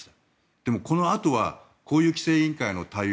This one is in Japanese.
でもこのあとはこういう規制委員会の対応